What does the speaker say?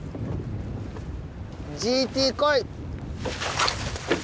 ＧＴ来い！